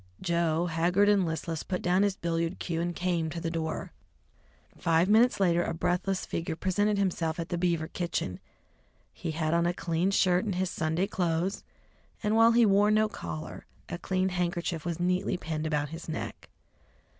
Joe, haggard and listless, put down his billiard cue and came to the door. Five minutes later a breathless figure presented himself at the Beaver kitchen. He had on a clean shirt and his Sunday clothes, and while he wore no collar, a clean handkerchief was neatly pinned about his neck.